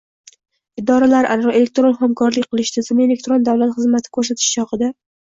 Idoralararo elektron hamkorlik qilish tizimi elektron davlat xizmatlari ko‘rsatish chog‘ida